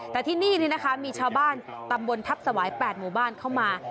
แต่ที่นี่นะคะมีชาวบ้านตำบลทัพสวาย๘หมู่บ้านเข้ามา